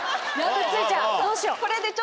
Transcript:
くっついちゃうどうしよう。